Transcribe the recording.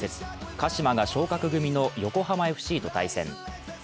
鹿島が昇格組の横浜ＦＣと対戦。